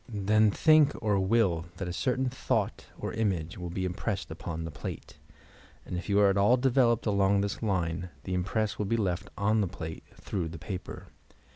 Then think or will that a certain thought or image will be impressed upon the plate; and if you are at all developed along this line, the impress will be left on the plate, through the paper.